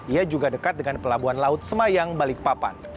ia juga dekat dengan pelabuhan laut semayang balikpapan